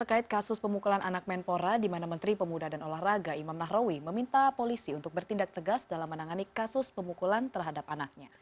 terkait kasus pemukulan anak menpora di mana menteri pemuda dan olahraga imam nahrawi meminta polisi untuk bertindak tegas dalam menangani kasus pemukulan terhadap anaknya